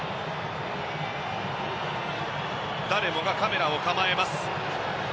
誰もがカメラを構えます。